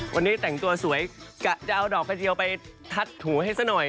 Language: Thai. วันนี้แต่งตัวสวยกะจะเอาดอกกระเทียวไปทัดถูให้ซะหน่อย